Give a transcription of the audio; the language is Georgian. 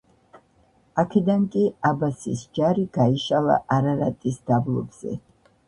აქიდან კი, აბასის ჯარი გაიშალა არარატის დაბლობზე.